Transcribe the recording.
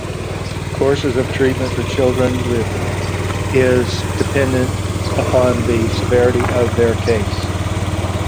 Courses of treatment for children with is dependent upon the severity of their case.